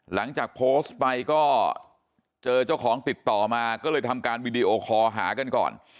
หลังจากโพสต์ไปก็เจอเจ้าของติดต่อมาก็เลยทำการวีดีโอคอลหากันก่อน